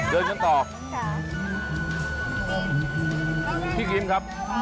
เดินกันต่อพี่คิมครับ